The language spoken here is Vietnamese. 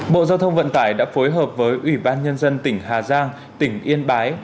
bộ giao thông vận tải đã phối hợp với ủy ban nhân dân tỉnh hà giang tỉnh yên bái